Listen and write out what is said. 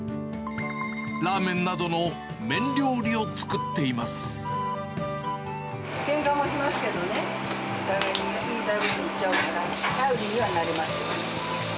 ラーメンなどの麺料理を作っていけんかもしますけどね、お互いに言いたいこと言っちゃうから、頼りにはなります。